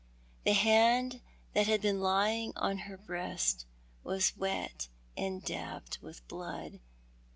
'J"he hand that had been lying on her breast was wet and dabbled with blood.